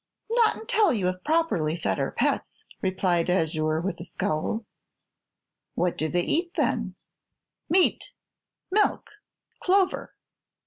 "Not until you have properly fed our pets," replied Azure, with a scowl. "What do they eat, then?" "Meat!" "Milk!" "Clover!"